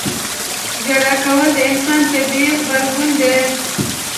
• ژړا کول د انسان طبیعي غبرګون دی.